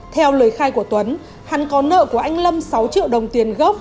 theo lời khai của tuấn hắn có nợ của anh lâm sáu triệu đồng tiền gốc